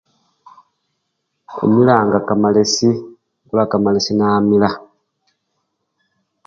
Imilanga kamalesi, ingula kamalesi namila.